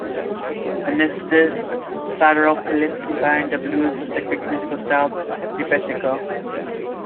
In this disc, Sidiropoulos combined the blues with the Greek musical style rebetiko.